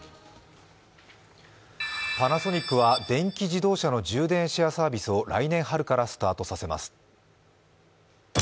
パナソニックは電気自動車の充電シェアサービスを来年春からスタートさせます。